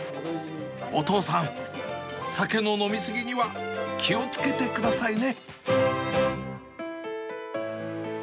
お父さん、酒の飲み過ぎには気をつけてくださいね。